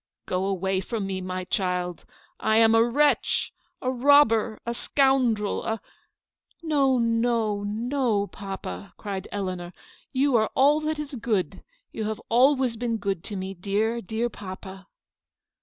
" Go away from me, my child, I am a wretch, a robber, a scoundrel, a " "No, no, no, papa," cried Eleanor; "you are all that is good, you have always been good to me, dear, dear papa."